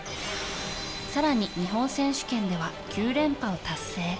更に日本選手権では９連覇を達成。